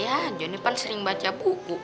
ya jonny kan sering baca buku